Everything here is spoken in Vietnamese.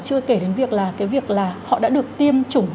chưa kể đến việc là họ đã được tiêm chủng